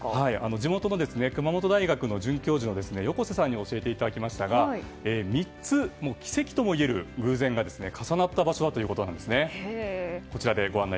地元の熊本大学の准教授の横瀬さんに教えていただきましたが３つ、奇跡ともいえる偶然が重なった場所だということなんですね。